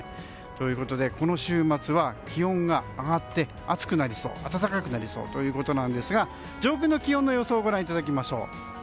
ということで、この週末は気温が上がって暖かくなりそうなんですが上空の気温の様子をご覧いただきましょう。